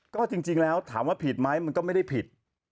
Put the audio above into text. ก็จริงแล้วถามว่าผิดไหมมันก็ไม่ได้ผิด